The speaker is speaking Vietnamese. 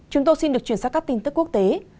chúng tôi xin được chuyển sang các tin tức quốc tế